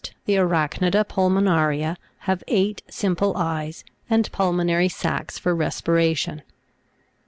The ARACH'NIUA PULMONA'RIA have eight simple eyes, and pulmonary sacs for respiration.